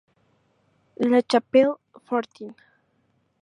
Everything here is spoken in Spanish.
La Chapelle-Fortin